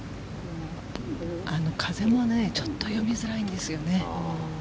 風もちょっと読みづらいんですよね。